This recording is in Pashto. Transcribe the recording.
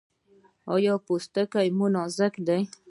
ایا پوستکی مو نازک دی؟